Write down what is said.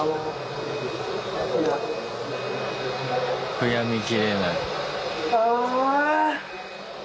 悔やみきれない。